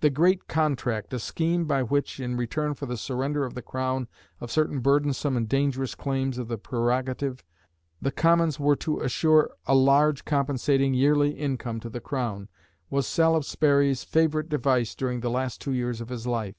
The "Great Contract" a scheme by which, in return for the surrender by the Crown of certain burdensome and dangerous claims of the Prerogative, the Commons were to assure a large compensating yearly income to the Crown was Salisbury's favourite device during the last two years of his life.